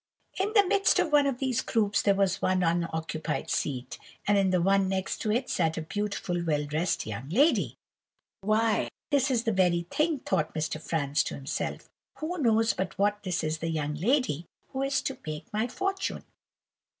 "In the midst of one of these groups, there was one unoccupied seat, and in the one next to it sat a beautiful, well dressed young lady. 'Why, this is the very thing,' thought Mr. Franz to himself. 'Who knows but what this is the young lady who is to make my fortune?